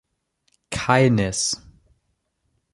Keines.